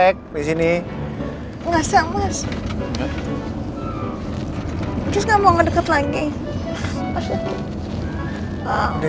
aku masih harus sembunyikan masalah lo andin dari mama